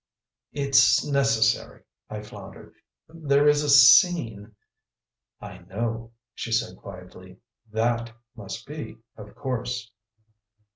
"It's necessary," I floundered. "There is a scene " "I know," she said quietly. "THAT must be, of course."